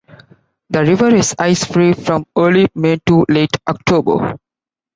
The river is ice-free from early May to late October.